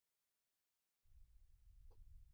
唐巴西利乌是巴西巴伊亚州的一个市镇。